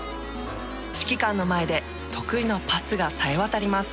指揮官の前で得意のパスがさえ渡ります。